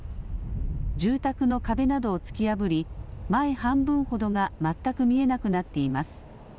住宅の壁などを突き破り前半分ほどが全く見えなくなっています。